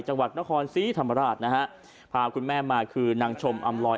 จังหวัดนครศรีธรรมราชนะฮะพาคุณแม่มาคือนางชมอำลอย